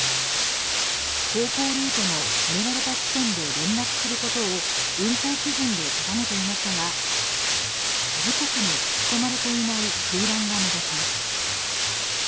航行ルートの決められた地点で連絡することを運航基準で定めていましたが時刻の書き込まれていない空欄が目立ちます。